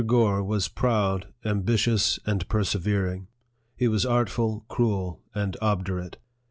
Gore was proud, ambitious, and persevering. He was artful, cruel, and obdurate.